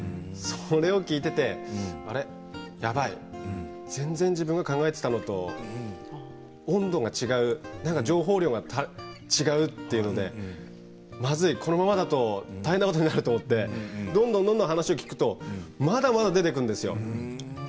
それを聞いていて、やばい全然自分が考えていたのと温度が違う情報量が違うっていうのでまずい、このままだと大変なことになると思ってどんどんどんどん話を聞くとまだまだ出てくるんですよ。